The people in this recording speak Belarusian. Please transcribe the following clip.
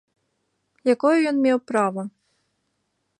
Якое ён меў права?